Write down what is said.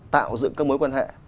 tạo dựng các mối quan hệ